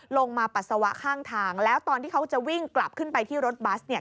ปัสสาวะข้างทางแล้วตอนที่เขาจะวิ่งกลับขึ้นไปที่รถบัสเนี่ย